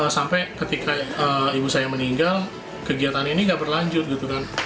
sampai ketika ibu saya meninggal kegiatan ini nggak berlanjut